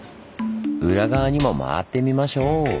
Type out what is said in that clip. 裏側にも回ってみましょう！